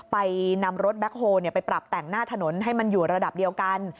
ไปนำรถแบ็คโฮลไปปรับแต่งหน้าถนนให้มันอยู่ระดับเดียวกัน